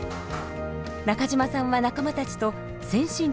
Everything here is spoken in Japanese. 中嶋さんは仲間たちと先進地